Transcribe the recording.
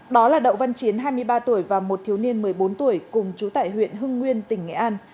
đó là đậu văn chiến hai mươi ba tuổi và một thiếu niên một mươi bốn tuổi cùng chú tại huyện hưng nguyên tỉnh nghệ an